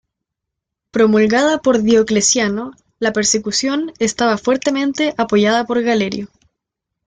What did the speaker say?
Promulgada por Diocleciano, la persecución estaba fuertemente apoyada por Galerio.